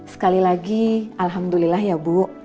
sekali lagi alhamdulillah ya bu